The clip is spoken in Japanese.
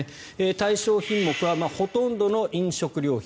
対象品目はほとんどの飲食料品。